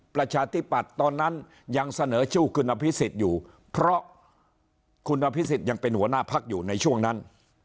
ประชาธิปัตย์ตอนนั้นยังเสนอชื่อคุณอภิษฎอยู่เพราะคุณอภิษฎยังเป็นหัวหน้าพักอยู่ในช่วงนั้น